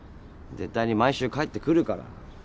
絶対に毎週帰ってくるから。